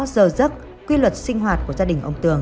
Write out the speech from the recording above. sáu giờ giấc quy luật sinh hoạt của gia đình ông tường